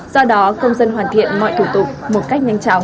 do đó công dân hoàn thiện mọi thủ tục một cách nhanh chóng